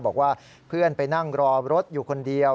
บอกว่าเพื่อนไปนั่งรอรถอยู่คนเดียว